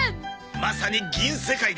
まさに銀世界だ。